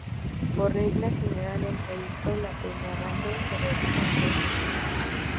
Por regla general el trayecto La Peña-Abando se realiza en dos minutos.